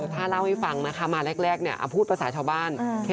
ถ้าเล่าให้ฟังนะคะมาแรกเนี่ยพูดภาษาชาวบ้าน